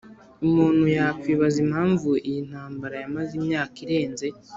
umuntu yakwibaza impanvu iyi ntambara yamaze imyaka irenze